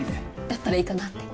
だったらいいかなって。